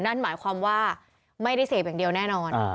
นั่นหมายความว่าไม่ได้เสพอย่างเดียวแน่นอน